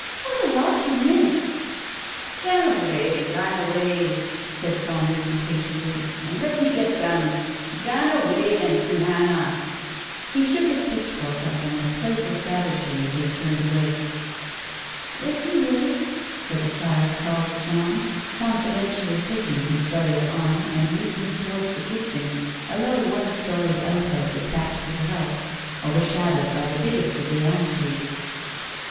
What a lot you miss !" "Gan awa'! .Gan awa'," said Saunders impatiently, "and let me get done. Gan awa' an tew Hannah !" Digitized by Google 218 TALES OF THE UNEASY He shook his pitchfork at them with playful savagery, and they turned away. "Listen, Willie," said the child called John, confi dentially taking his brother's arm, and leading him towards the kitchen, a low, one storied outhouse attached to the house, overshadowed by the biggest of the elm trees.